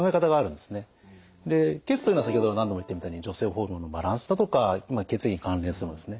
で血というのは先ほど何度も言ったみたいに女性ホルモンのバランスだとか血液に関連するものですね。